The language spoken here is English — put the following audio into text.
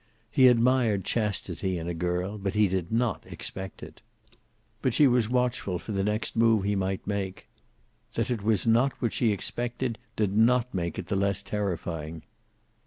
He admired chastity in a girl, but he did not expect it. But she was watchful for the next move he might make. That it was not what she expected did not make it the less terrifying.